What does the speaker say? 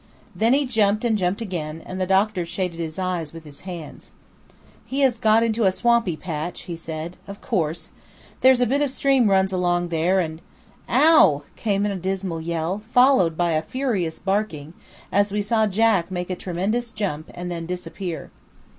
Then he jumped and jumped again, and the doctor shaded his eyes with his hands. "He has got into a swampy patch," he said. "Of course. There's a bit of a stream runs along there, and " "Ow!" came in a dismal yell, followed by a furious barking, as we saw Jack make a tremendous jump, and then disappear.